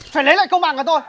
phải lấy lại công bằng của tôi